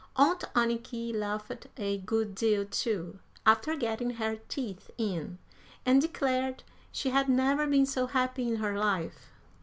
Aunt Anniky laughed a good deal, too, after getting her teeth in, and declared she had never been so happy in her life.